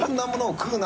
「食うな！」